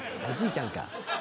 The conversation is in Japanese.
おじいちゃんか！